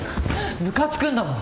むかつくんだもん！